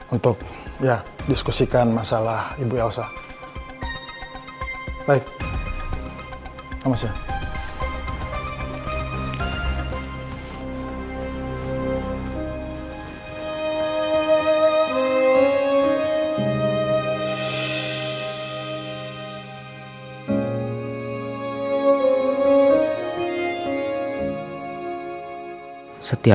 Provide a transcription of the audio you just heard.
untuk diskusikan masalah ibu elsa